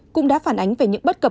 cũng đã phản ánh về những bất cập